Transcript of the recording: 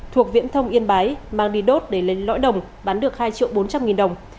thuộc viễn thông yên bái mang đi đốt để lên lõi đồng bán được hai triệu bốn trăm linh nghìn đồng